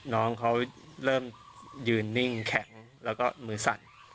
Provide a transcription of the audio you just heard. น้องเขาเริ่มยืนนิ่งแข็งแล้วก็มือสั่น